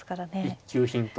一級品と。